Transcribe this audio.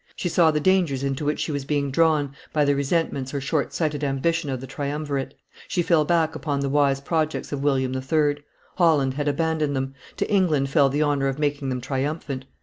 she saw the dangers into which she was being drawn by the resentments or short sighted ambition of the triumvirate; she fell back upon the wise projects of William III. Holland had abandoned them; to England fell the honor of making them triumphant.